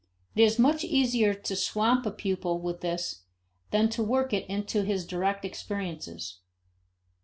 It is much easier to swamp a pupil with this than to work it into his direct experiences.